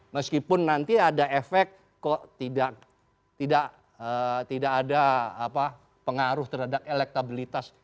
meskipun nanti ada efek kok tidak ada pengaruh terhadap elektabilitas